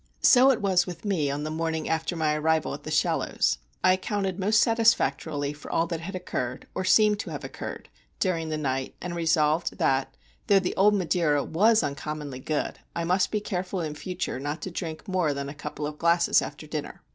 So it was with me on the morning after my arrival at The Shallows. I accounted most satisfactorily for all that had occurred, or seemed to have occurred, during the night; and resolved that, though the old Madeira was uncommonly good, I must be careful in future not to drink more than a couple of glasses after dinner.